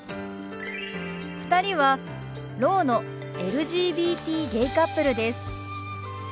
２人はろうのＬＧＢＴゲイカップルです。